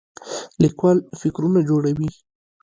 لیکوال فکرونه جوړوي